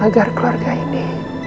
agar keluarga ini